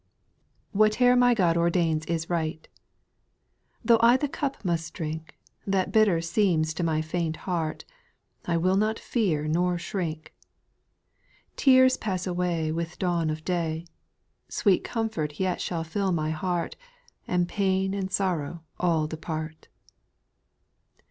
4. Whatever my God ordains is right I Though I the cup must drink, That bitter seems to my faint heart, I will not fear nor shrink ; Tears pass away With dawn of day ; Sweet comfort yet shall fill my heart, And pain and sorrow all depart.